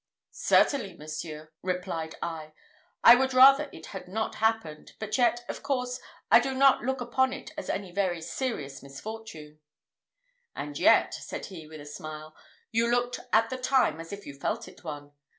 "Certainly, monseigneur," replied I, "I would rather it had not happened; but yet, of course, I do not look upon it as any very serious misfortune." "And yet," said he, with a smile, "you looked at the time as if you felt it one.